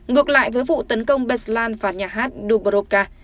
ngược lại với vụ tấn công beslan và nhà hát dubrovka